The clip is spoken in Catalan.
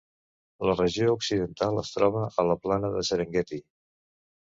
La regió occidental es troba a la plana de Serengueti.